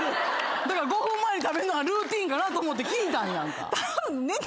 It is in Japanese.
だから５分前に食べるのがルーティンかなと思って聞いたんやんか。